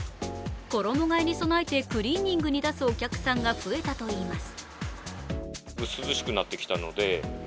衣がえに備えてクリーニングに出すお客さんが増えたといいます。